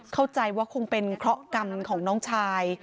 เข้าใจว่าคงเป็นเคราะห์กรรมของน้องชาย